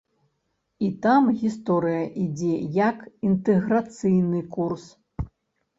І там гісторыя ідзе як інтэграцыйны курс.